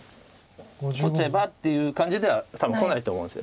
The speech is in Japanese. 取っちゃえばっていう感じでは多分こないと思うんです。